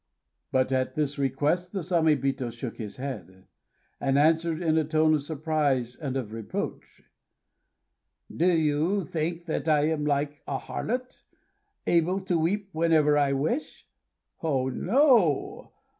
But at this request the Samébito shook his head, and answered in a tone of surprise and of reproach: "Do you think that I am like a harlot, able to weep whenever I wish? Oh, no!